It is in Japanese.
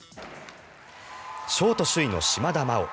ショート首位の島田麻央。